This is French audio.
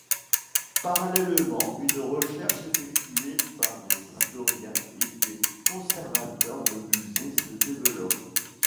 Parallèlement, une recherche effectuée par des historiens et des conservateurs de musée se développe.